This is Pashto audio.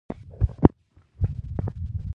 د شاهي کورنۍ ځینو غړو په شریکه جوړې کړي.